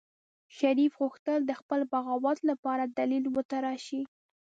شريف غوښتل د خپل بغاوت لپاره دليل وتراشي.